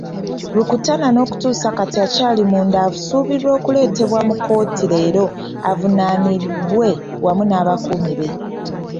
Rukutana n'okutuusa kati akyali munda asuubirwa okuleetebwa mu kkooti leero avunaanibwe wamu n'abakuumi be.